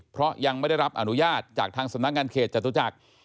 เพราะยังไม่ได้รับอนุญาตจากทางสำนักงานเขตจตุจักร